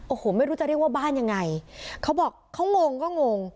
โอ้โหไม่รู้จะเรียกว่าบ้านยังไงเขาบอกเขางงก็งง